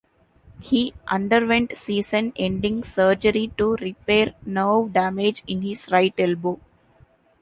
He underwent season-ending surgery to repair nerve damage in his right elbow.